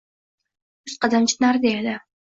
Yuz qadamcha narida edi